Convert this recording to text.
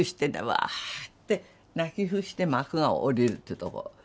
「わ」って泣き伏して幕が下りるっていうとこ。